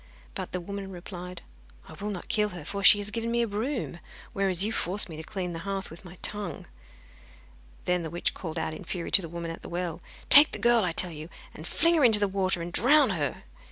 But the woman replied: 'I will not kill her, for she has given me a broom, whereas you forced me to clean the hearth with my tongue.' Then the witch called out in fury to the woman at the well: 'Take the girl, I tell you, and fling her into the water, and drown her!